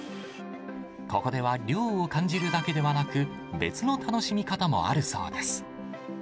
ここでは、涼を感じるだけではなく、別の楽しみ方もあるそうです。